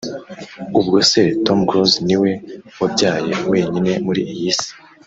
Ubwo se Tom Close niwe wabyaye wenyine muri iyi si